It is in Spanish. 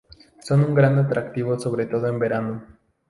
Son un gran atractivo sobre todo en verano.